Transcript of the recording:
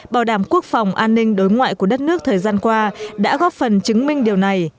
bảo đảm quốc phòng an ninh đối ngoại của đất nước thời gian qua đã góp phần chứng minh điều này